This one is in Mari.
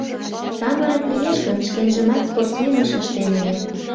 — Самырык лиеш гын, шкенжымат спортсменыш ыштем ыле.